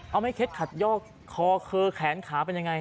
เอาไม่เคล็ดขัดยอกคอเคอแขนขาเป็นยังไง